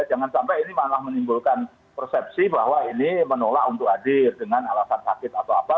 jangan sampai ini malah menimbulkan persepsi bahwa ini menolak untuk hadir dengan alasan sakit atau apa